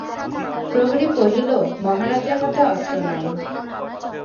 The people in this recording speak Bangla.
প্রহরী কহিল, মহারাজের হাতে অস্ত্র নাই!